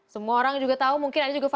semua orang juga tahu mungkin ada juga fansnya